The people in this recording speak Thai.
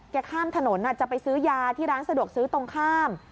ข้ามถนนจะไปซื้อยาที่ร้านสะดวกซื้อตรงข้าม